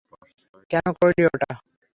কেন করলি ওটা?